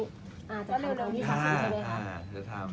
จะทำกับดีพาซูอีแหละครับ